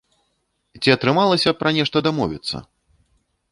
Ці атрымалася пра нешта дамовіцца?